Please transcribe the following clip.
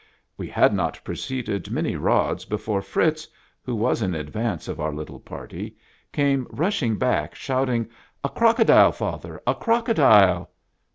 We had not proceeded many rods before Fritz, who was in advance of our little party, came rushing back shouting, " A crocodile, father, a crocodile